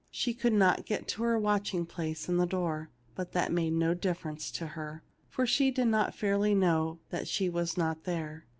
She could not get to her watching place in the door, but that made no difference to her, for she did not fairly know that she was not there.